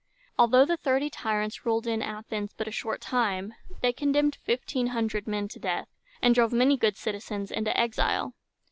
Although the Thirty Tyrants ruled in Athens but a short time, they condemned fifteen hundred men to death, and drove many good citizens into exile.